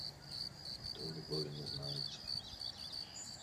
Хто в любові не знається